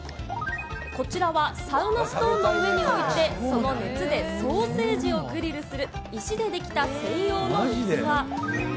こちらは、サウナストーンの上に置いて、その熱でソーセージをグリルする、石で出来た専用の器。